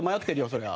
そりゃ。